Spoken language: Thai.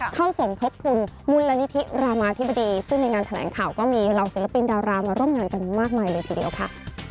สมทบทุนมูลนิธิรามาธิบดีซึ่งในงานแถลงข่าวก็มีเหล่าศิลปินดารามาร่วมงานกันมากมายเลยทีเดียวค่ะ